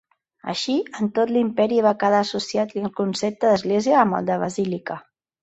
Així, en tot l'Imperi va quedar associat el concepte d'església amb el de basílica.